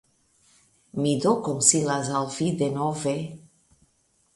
Mi do konsilas al vi denove.